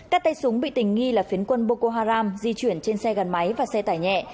các tay súng bị tình nghi là phiến quân boko haram di chuyển trên xe gần máy và xe tải nhẹ